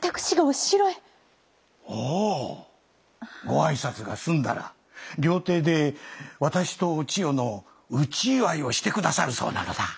ご挨拶が済んだら料亭で私とお千代の内祝いをして下さるそうなのだ。